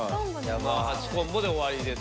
８コンボで終わりです。